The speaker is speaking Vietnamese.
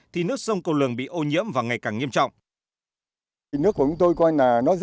thì nước sông cầu lường bị ô nhiễm và ngày càng nghiêm trọng